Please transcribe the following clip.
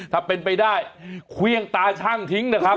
ถ้าเป็นไปได้เครื่องตาช่างทิ้งนะครับ